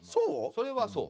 それはそう。